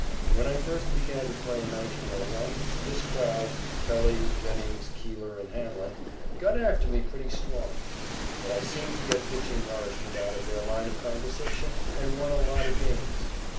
When I first began to play in 1901, this crowd Kelly, Jennings, Keeler and Hanlon got after me pretty strong. But I seemed to get pitching nourishment out of their line of conversation and won a lot of games.